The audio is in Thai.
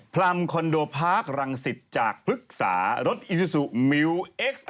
พร่ำคอนโดพาร์กรังสิทธิ์จากภึกษารถอิซิสุมิวเอ็กซ